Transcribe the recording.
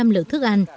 ba mươi lượng thức ăn